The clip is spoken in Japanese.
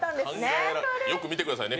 よく見てくださいね